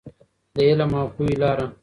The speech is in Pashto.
د علم او پوهې لاره.